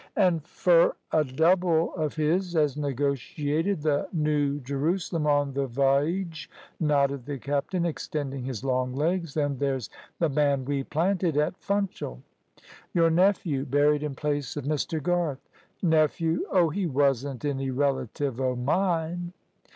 "An' fur a double of his, as negotiated the Noo Jerusalem on th' v'yge," nodded the captain, extending his long legs. "Then there's th' man we planted at Funchal." "Your nephew buried in place of Mr. Garth." "Nephew! Oh, he wasn't any relative o' mine."